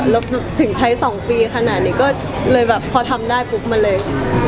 แล้วถึงใช้๒ปีขนาดนี้ก็เลยแบบพอทำได้ปุ๊บมาเลย